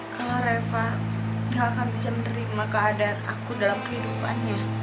kalau reva gak akan bisa menerima keadaan aku dalam kehidupannya